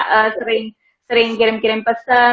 kita sering kirim kirim pesen